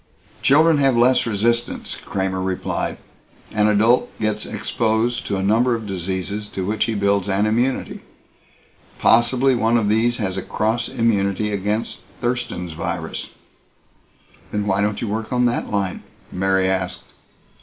"Children have less resistance," Kramer replied. "An adult gets exposed to a number of diseases to which he builds an immunity. Possibly one of these has a cross immunity against Thurston's virus." "Then why don't you work on that line?" Mary asked.